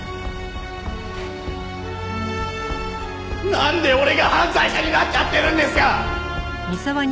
なんで俺が犯罪者になっちゃってるんですか！